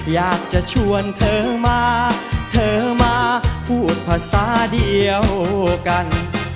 อยากจะชวนเธอมาเธอมาพูดภาษาเดียวกัน